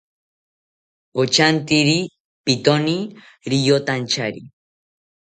Pochantiri pitoni riyotantyari